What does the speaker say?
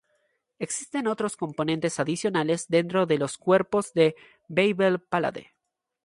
Existen otros componentes adicionales dentro de los cuerpos de Weibel-Palade.